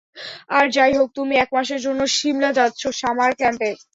আর যাইহোক তুমি এক মাসের জন্য শিমলা যাচ্ছো সামার ক্যাম্পে।